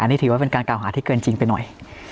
นี่ถือว่าเป็นการกล่าวหาที่เกินจริงไปหน่อย